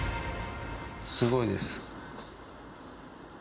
すごいです。